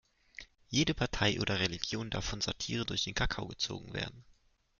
Jede Partei oder Religion darf von Satire durch den Kakao gezogen werden.